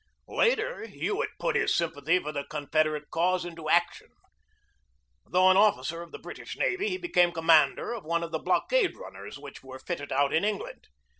Later Hewett put his sympathy for the Con federate cause into action. Though an officer of the British navy, he became commander of one of the blockade runners which were fitted out in Eng land.